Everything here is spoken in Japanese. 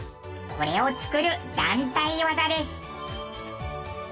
これを作る団体技です。